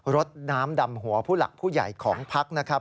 รถน้ำดำหัวผู้หลักผู้ใหญ่ของพักนะครับ